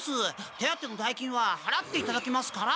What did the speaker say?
手当ての代金ははらっていただきますから。